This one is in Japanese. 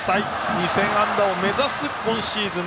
２０００安打を目指す今シーズン。